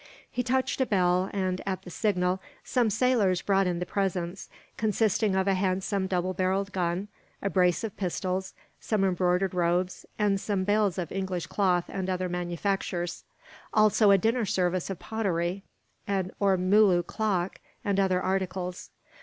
He touched a bell and, at the signal, some sailors brought in the presents; consisting of a handsome double barrelled gun, a brace of pistols, some embroidered robes, and some bales of English cloth and other manufactures; also a dinner service of pottery, an ormulu clock, and other articles.